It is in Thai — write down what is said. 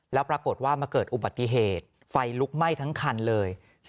แล้วปรากฏว่ามาเกิดอุบัติเหตุไฟลุกไหม้ทั้งคันเลย